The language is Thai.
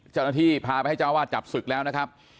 เจ้าหน้าที่พาไปให้เจ้าวาดจับศึกแล้วนะครับ